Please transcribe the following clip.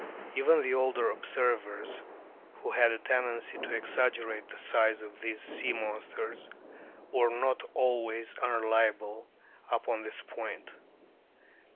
Even the older observers, who had a tendency to exaggerate the size of these sea monsters, were not always unreliable upon this point.